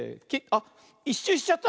あっ。